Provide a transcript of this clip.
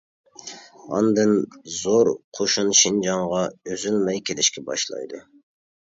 ئاندىن زور قوشۇن شىنجاڭغا ئۈزۈلمەي كېلىشكە باشلايدۇ.